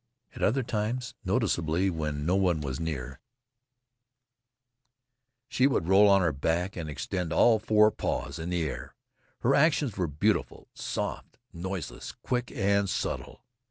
At other times, noticeably when no one was near, she would roll on her back and extend all four paws in the air. Her actions were beautiful, soft, noiseless, quick and subtle.